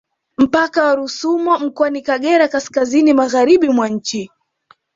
Mpaka wa Rusumo mkoani Kagera kaskazini magharibi mwa nchi